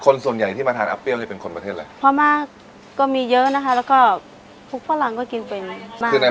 คนส่วนใหญ่ที่มาทานอาเปรี้ยวนี่เป็นคนประเทศอะไร